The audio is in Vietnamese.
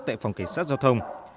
tại phòng cảnh sát giao thông